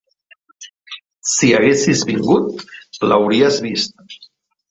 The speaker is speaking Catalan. Si haguessis vingut, l'hauries vist.